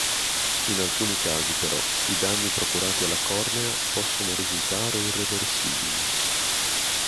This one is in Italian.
In alcuni casi, però, i danni procurati alla cornea possono risultare irreversibili.